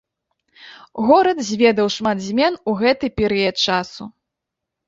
Горад зведаў шмат змен у гэты перыяд часу.